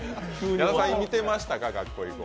矢田さん、見てましたか「学校へ行こう！」